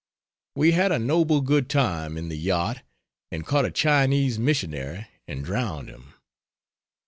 We had a noble good time in the Yacht, and caught a Chinese missionary and drowned him.